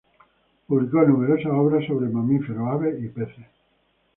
Publicó numerosas obras sobre mamíferos, aves, y peces.